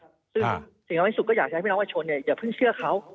ซึ่งสิ่งที่เราให้สุดก็อยากใช้ให้พี่น้องบัยโชนเนี่ยอย่าเพิ่งเชื่อเขา